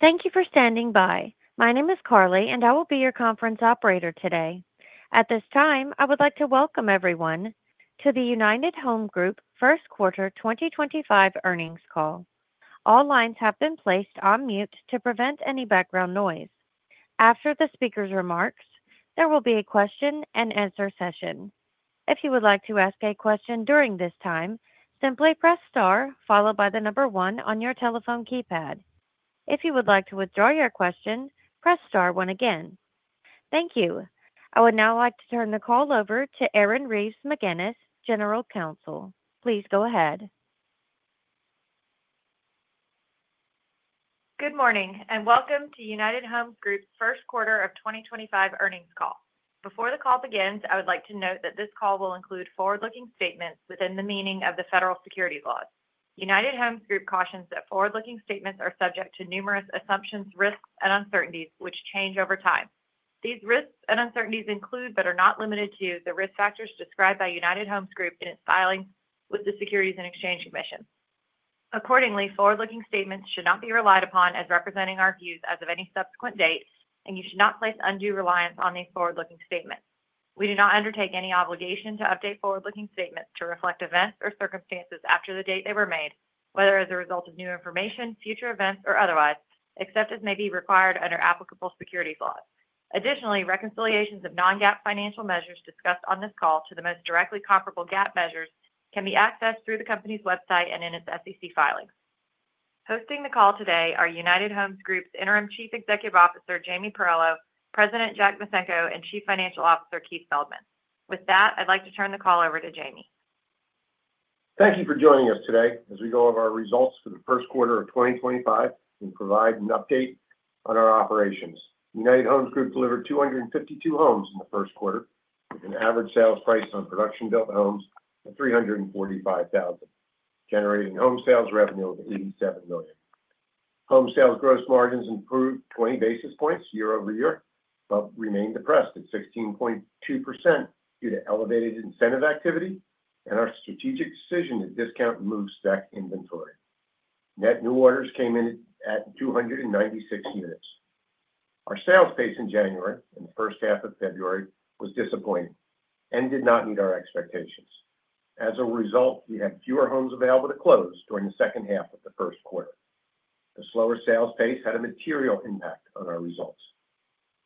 Thank you for standing by. My name is Carly, and I will be your conference operator today. At this time, I would like to welcome everyone to the United Homes Group First Quarter 2025 Earnings Call. All lines have been placed on mute to prevent any background noise. After the speaker's remarks, there will be a question-and-answer session. If you would like to ask a question during this time, simply press star followed by the number one on your telephone keypad. If you would like to withdraw your question, press star one again. Thank you. I would now like to turn the call over to Erin Reeves McGinnis, General Counsel. Please go ahead. Good morning and welcome to United Homes Group's First Quarter of 2025 Earnings Call. Before the call begins, I would like to note that this call will include forward-looking statements within the meaning of the federal securities laws. United Homes Group cautions that forward-looking statements are subject to numerous assumptions, risks, and uncertainties which change over time. These risks and uncertainties include, but are not limited to, the risk factors described by United Homes Group in its filings with the Securities and Exchange Commission. Accordingly, forward-looking statements should not be relied upon as representing our views as of any subsequent date, and you should not place undue reliance on these forward-looking statements. We do not undertake any obligation to update forward-looking statements to reflect events or circumstances after the date they were made, whether as a result of new information, future events, or otherwise, except as may be required under applicable securities laws. Additionally, reconciliations of non-GAAP financial measures discussed on this call to the most directly comparable GAAP measures can be accessed through the company's website and in its SEC filings. Hosting the call today are United Homes Group's Interim Chief Executive Officer Jamie Pirrello, President Jack Micenko, and Chief Financial Officer Keith Feldman. With that, I'd like to turn the call over to Jamie. Thank you for joining us today as we go over our results for the first quarter of 2025 and provide an update on our operations. United Homes Group delivered 252 homes in the first quarter, with an average sales price on production-built homes of $345,000, generating home sales revenue of $87 million. Home sales gross margins improved 20 basis points year-over-year but remained depressed at 16.2% due to elevated incentive activity and our strategic decision to discount and move spec inventory. Net new orders came in at 296 units. Our sales pace in January and the first half of February was disappointing and did not meet our expectations. As a result, we had fewer homes available to close during the second half of the first quarter. The slower sales pace had a material impact on our results.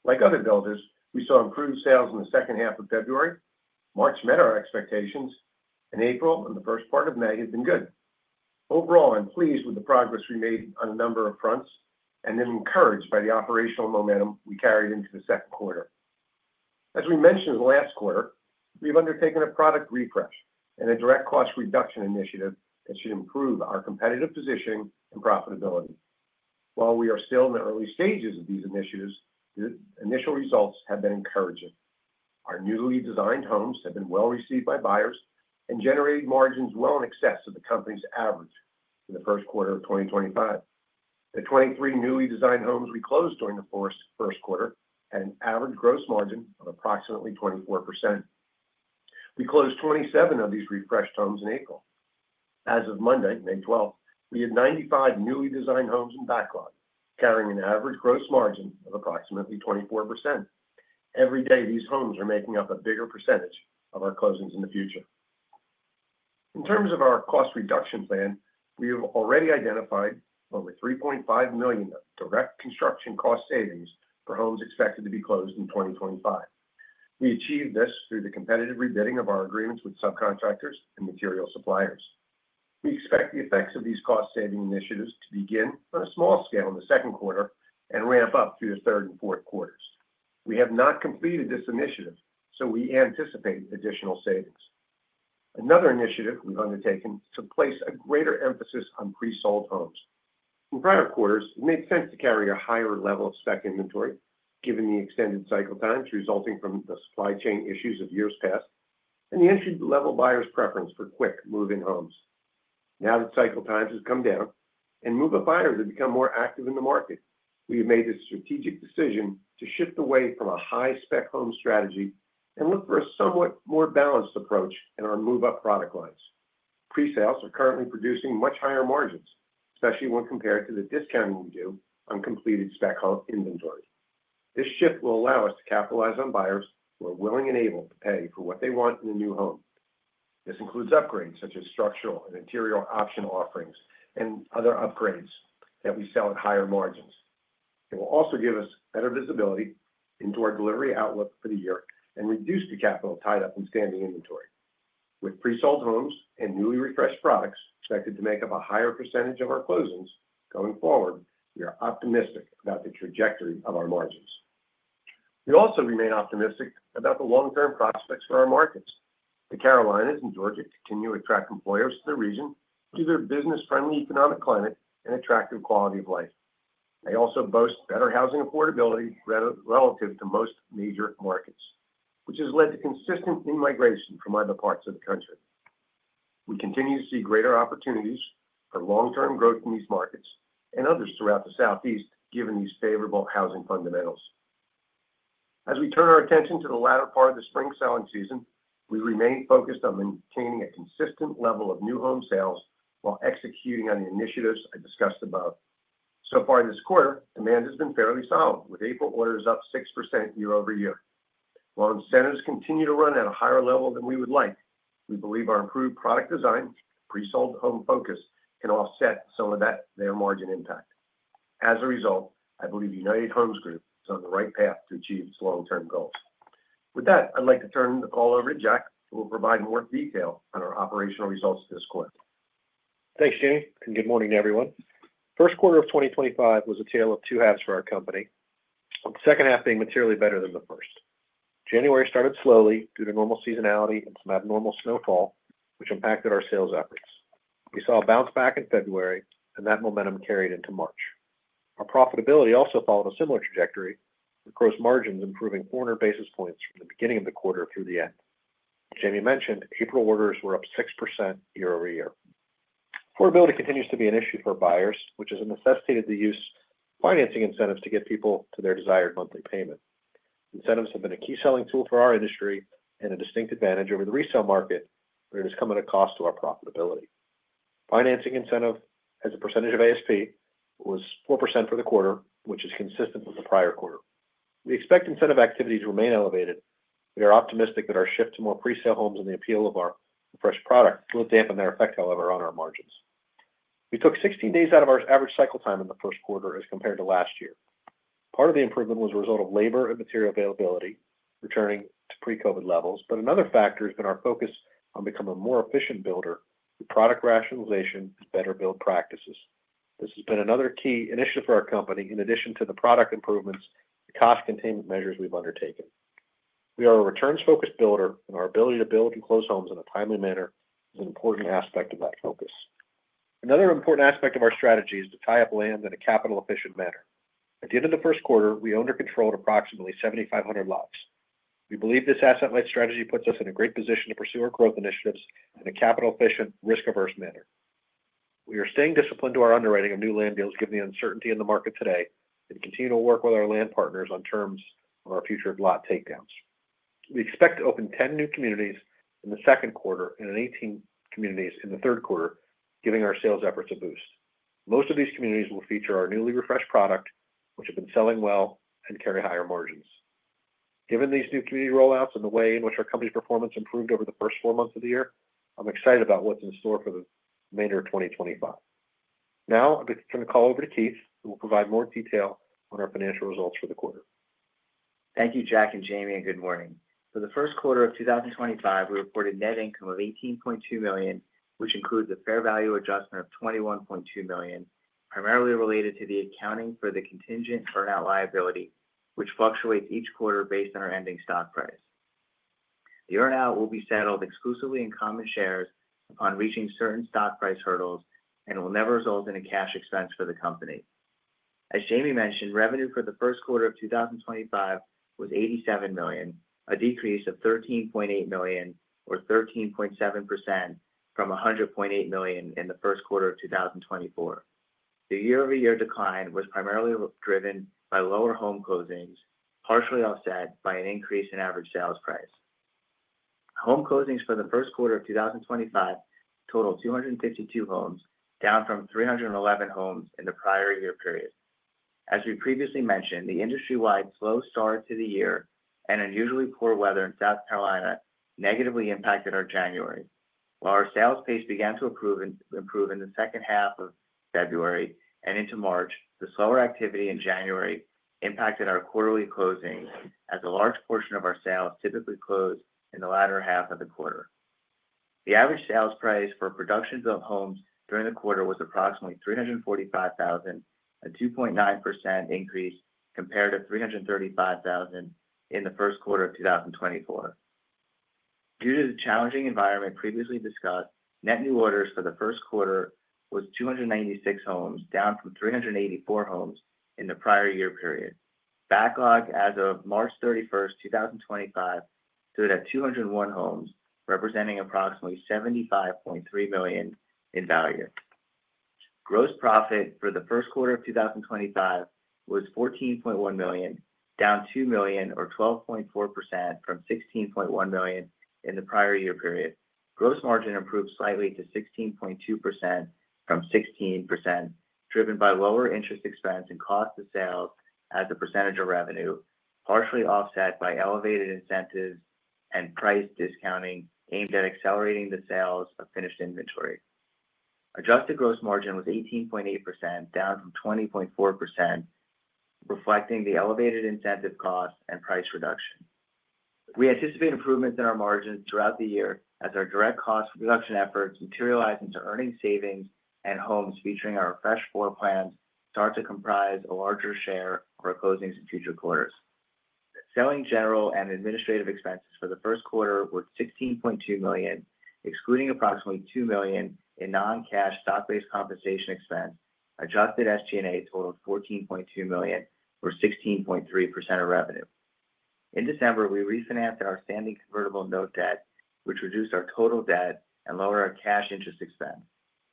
Like other builders, we saw improved sales in the second half of February. March met our expectations, and April and the first part of May have been good. Overall, I'm pleased with the progress we made on a number of fronts and am encouraged by the operational momentum we carried into the second quarter. As we mentioned in the last quarter, we've undertaken a product refresh and a direct cost reduction initiative that should improve our competitive positioning and profitability. While we are still in the early stages of these initiatives, the initial results have been encouraging. Our newly designed homes have been well received by buyers and generated margins well in excess of the company's average for the first quarter of 2025. The 23 newly designed homes we closed during the first quarter had an average gross margin of approximately 24%. We closed 27 of these refreshed homes in April. As of Monday, May 12th, we had 95 newly designed homes in backlog, carrying an average gross margin of approximately 24%. Every day, these homes are making up a bigger percentage of our closings in the future. In terms of our cost reduction plan, we have already identified over $3.5 million of direct construction cost savings for homes expected to be closed in 2025. We achieved this through the competitive rebidding of our agreements with subcontractors and material suppliers. We expect the effects of these cost-saving initiatives to begin on a small scale in the second quarter and ramp up through the third and fourth quarters. We have not completed this initiative, so we anticipate additional savings. Another initiative we've undertaken is to place a greater emphasis on pre-sold homes. In prior quarters, it made sense to carry a higher level of spec inventory given the extended cycle times resulting from the supply chain issues of years past and the entry-level buyer's preference for quick-moving homes. Now that cycle times have come down and move-up buyers have become more active in the market, we have made the strategic decision to shift away from a high-spec home strategy and look for a somewhat more balanced approach in our move-up product lines. Pre-sales are currently producing much higher margins, especially when compared to the discounting we do on completed spec home inventory. This shift will allow us to capitalize on buyers who are willing and able to pay for what they want in a new home. This includes upgrades such as structural and interior option offerings and other upgrades that we sell at higher margins. It will also give us better visibility into our delivery outlook for the year and reduce the capital tied up in standing inventory. With pre-sold homes and newly refreshed products expected to make up a higher percentage of our closings going forward, we are optimistic about the trajectory of our margins. We also remain optimistic about the long-term prospects for our markets. The Carolinas and Georgia continue to attract employers to the region due to their business-friendly economic climate and attractive quality of life. They also boast better housing affordability relative to most major markets, which has led to consistent in-migration from other parts of the country. We continue to see greater opportunities for long-term growth in these markets and others throughout the Southeast given these favorable housing fundamentals. As we turn our attention to the latter part of the spring selling season, we remain focused on maintaining a consistent level of new home sales while executing on the initiatives I discussed above. So far this quarter, demand has been fairly solid, with April orders up 6% year-over-year. While incentives continue to run at a higher level than we would like, we believe our improved product design and pre-sold home focus can offset some of their margin impact. As a result, I believe United Homes Group is on the right path to achieve its long-term goals. With that, I'd like to turn the call over to Jack, who will provide more detail on our operational results this quarter. Thanks, Jamie, and good morning to everyone. The first quarter of 2025 was a tale of two halves for our company, with the second half being materially better than the first. January started slowly due to normal seasonality and some abnormal snowfall, which impacted our sales efforts. We saw a bounce back in February, and that momentum carried into March. Our profitability also followed a similar trajectory, with gross margins improving 400 basis points from the beginning of the quarter through the end. As Jamie mentioned, April orders were up 6% year-over-year. Affordability continues to be an issue for buyers, which has necessitated the use of financing incentives to get people to their desired monthly payment. Incentives have been a key selling tool for our industry and a distinct advantage over the resale market, but it has come at a cost to our profitability. Financing incentive, as a percentage of ASP, was 4% for the quarter, which is consistent with the prior quarter. We expect incentive activity to remain elevated. We are optimistic that our shift to more pre-sale homes and the appeal of our fresh product will dampen their effect, however, on our margins. We took 16 days out of our average cycle time in the first quarter as compared to last year. Part of the improvement was a result of labor and material availability returning to pre-COVID levels, but another factor has been our focus on becoming a more efficient builder through product rationalization and better build practices. This has been another key initiative for our company in addition to the product improvements and cost containment measures we've undertaken. We are a returns-focused builder, and our ability to build and close homes in a timely manner is an important aspect of that focus. Another important aspect of our strategy is to tie up land in a capital-efficient manner. At the end of the first quarter, we owned or controlled approximately 7,500 lots. We believe this asset-light strategy puts us in a great position to pursue our growth initiatives in a capital-efficient, risk-averse manner. We are staying disciplined to our underwriting of new land deals given the uncertainty in the market today and continue to work with our land partners on terms of our future lot takedowns. We expect to open 10 new communities in the second quarter and 18 communities in the third quarter, giving our sales efforts a boost. Most of these communities will feature our newly refreshed product, which has been selling well and carrying higher margins. Given these new community rollouts and the way in which our company's performance improved over the first four months of the year, I'm excited about what's in store for the remainder of 2025. Now, I'd like to turn the call over to Keith, who will provide more detail on our financial results for the quarter. Thank you, Jack and Jamie, and good morning. For the first quarter of 2025, we reported net income of $18.2 million, which includes a fair value adjustment of $21.2 million, primarily related to the accounting for the contingent earn-out liability, which fluctuates each quarter based on our ending stock price. The earn-out will be settled exclusively in common shares upon reaching certain stock price hurdles and will never result in a cash expense for the company. As Jamie mentioned, revenue for the first quarter of 2025 was $87 million, a decrease of $13.8 million, or 13.7% from $100.8 million in the first quarter of 2024. The year-over-year decline was primarily driven by lower home closings, partially offset by an increase in average sales price. Home closings for the first quarter of 2025 totaled 252 homes, down from 311 homes in the prior year period. As we previously mentioned, the industry-wide slow start to the year and unusually poor weather in South Carolina negatively impacted our January. While our sales pace began to improve in the second half of February and into March, the slower activity in January impacted our quarterly closings as a large portion of our sales typically closed in the latter half of the quarter. The average sales price for production-built homes during the quarter was approximately $345,000, a 2.9% increase compared to $335,000 in the first quarter of 2024. Due to the challenging environment previously discussed, net new orders for the first quarter was 296 homes, down from 384 homes in the prior year period. Backlog as of March 31st, 2025, stood at 201 homes, representing approximately $75.3 million in value. Gross profit for the first quarter of 2025 was $14.1 million, down $2 million, or 12.4% from $16.1 million in the prior year period. Gross margin improved slightly to 16.2% from 16%, driven by lower interest expense and cost of sales as a percentage of revenue, partially offset by elevated incentives and price discounting aimed at accelerating the sales of finished inventory. Adjusted gross margin was 18.8%, down from 20.4%, reflecting the elevated incentive costs and price reduction. We anticipate improvements in our margins throughout the year as our direct cost reduction efforts materialize into earning savings and homes featuring our fresh floor plans start to comprise a larger share of our closings in future quarters. Selling, general, and administrative expenses for the first quarter were $16.2 million, excluding approximately $2 million in non-cash stock-based compensation expense. Adjusted SG&A totaled $14.2 million, or 16.3% of revenue. In December, we refinanced our standing convertible note debt, which reduced our total debt and lowered our cash interest expense.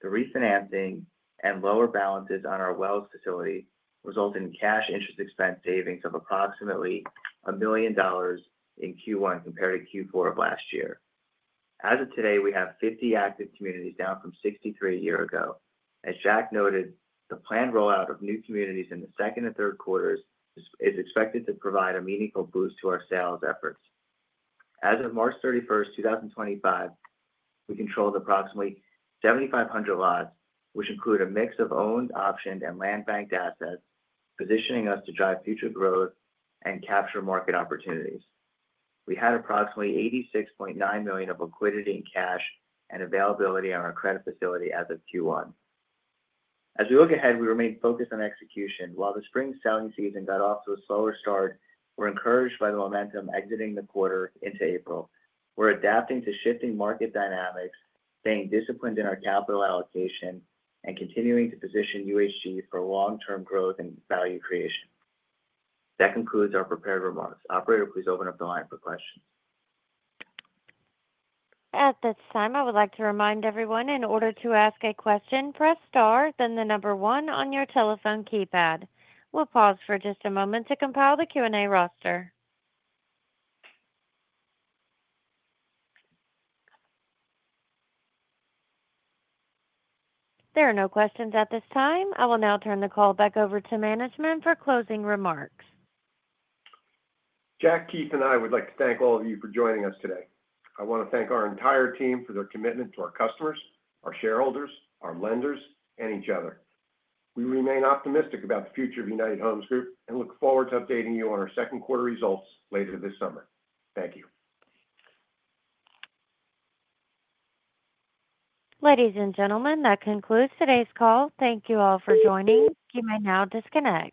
The refinancing and lower balances on our Wells facility resulted in cash interest expense savings of approximately $1 million in Q1 compared to Q4 of last year. As of today, we have 50 active communities, down from 63 a year ago. As Jack noted, the planned rollout of new communities in the second and third quarters is expected to provide a meaningful boost to our sales efforts. As of March 31st, 2025, we controlled approximately 7,500 lots, which include a mix of owned, optioned, and land banked assets, positioning us to drive future growth and capture market opportunities. We had approximately $86.9 million of liquidity in cash and availability on our credit facility as of Q1. As we look ahead, we remain focused on execution. While the spring selling season got off to a slower start, we're encouraged by the momentum exiting the quarter into April. We're adapting to shifting market dynamics, staying disciplined in our capital allocation, and continuing to position UHG for long-term growth and value creation. That concludes our prepared remarks. Operator, please open up the line for questions. At this time, I would like to remind everyone, in order to ask a question, press star, then the number one on your telephone keypad. We'll pause for just a moment to compile the Q&A roster. There are no questions at this time. I will now turn the call back over to management for closing remarks. Jack, Keith, and I would like to thank all of you for joining us today. I want to thank our entire team for their commitment to our customers, our shareholders, our lenders, and each other. We remain optimistic about the future of United Homes Group and look forward to updating you on our second quarter results later this summer. Thank you. Ladies and gentlemen, that concludes today's call. Thank you all for joining. You may now disconnect.